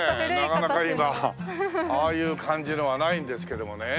なかなか今ああいう感じのはないんですけどもね。